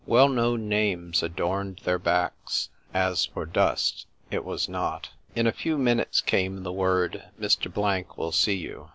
Well known names adorned their backs. As for dust, it was not. In a few minutes came the word, " Mr. Blank will see you."